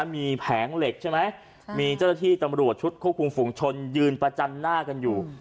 มีแผงเหล็กใช่ไหมมีเจ้าหน้าที่ตำรวจชุดควบคุมฝุงชนยืนประจันหน้ากันอยู่